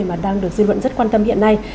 mà đang được dư luận rất quan tâm hiện nay